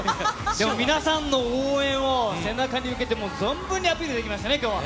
でも皆さんの応援を背中に受けて、もう存分にアピールできましたね、きょうは。